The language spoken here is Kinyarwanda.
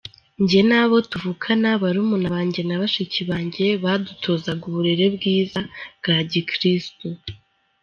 Njye nabo tuvukana barumuna banjye na bashiki banjye badutozaga uburere bwiza bwa Gikristo.